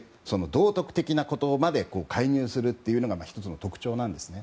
道徳的なことまで介入するのが１つの特徴なんですね。